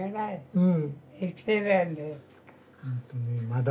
うん。